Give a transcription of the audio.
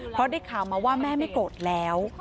เพราะได้ข่าวมาว่าแม่ไม่โกรธแล้ว